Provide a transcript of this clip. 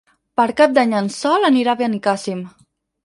Per Cap d'Any en Sol anirà a Benicàssim.